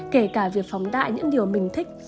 kể cả việc phóng đại những điều mình thích